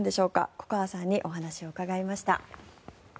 粉川さんにお話を伺いました。